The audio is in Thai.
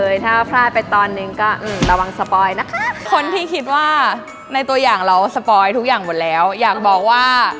โยงกันไปโยงกันมา